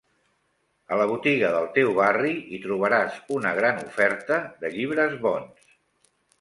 A la botiga del teu barri hi trobaràs una gran oferta de llibres bons.